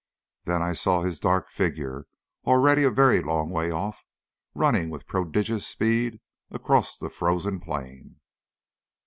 Then I saw his dark figure already a very long way off, running with prodigious speed across the frozen plain.